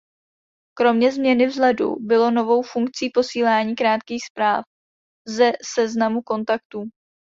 Kromě změny vzhledu bylo novou funkcí posílání krátkých zpráv ze seznamu kontaktů.